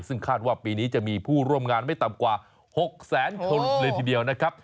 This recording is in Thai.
ซึ่งคาดว่าปีนี้จะมีผู้ร่วมงานไม่ต่ำกว่า๖แสนคนเลยทีเดียวนะครับ